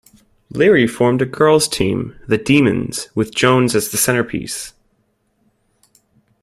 Leary formed a girls team, the Demons, with Jones as the centerpiece.